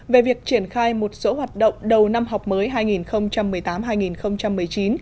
về việc triển khai một số hoạt động đầu năm học mới hai nghìn một mươi tám hai nghìn một mươi chín